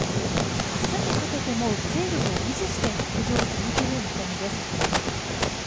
明日にかけても、勢力を維持して北上を続ける見込みです。